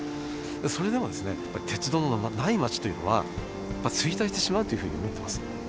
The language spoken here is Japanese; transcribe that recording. それでも、やっぱり鉄道のない町というのは、やっぱ衰退してしまうというふうに思ってます。